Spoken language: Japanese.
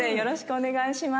お願いします」